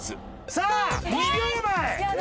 さあ２秒前！